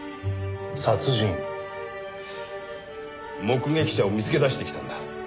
殺人？目撃者を見つけ出してきたんだ。